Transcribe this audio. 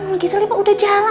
mama gisa lipa udah jalan